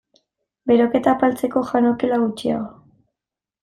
Beroketa apaltzeko, jan okela gutxiago.